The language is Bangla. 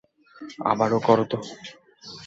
আবার করো তো।